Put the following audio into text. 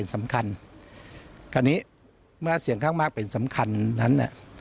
สำคัญคราวนี้เมื่อเสียงข้างมากเป็นสำคัญนั้นเนี่ย